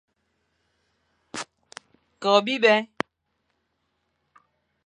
Ko biba.